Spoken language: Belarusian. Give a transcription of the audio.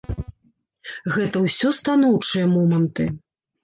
Гэта ўсё станоўчыя моманты.